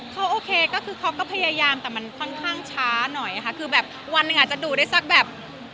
เขาโอเคก็คือเขาก็พยายามแต่มันค่อนข้างช้าหน่อยค่ะคือแบบวันหนึ่งอาจจะดูได้สักแบบ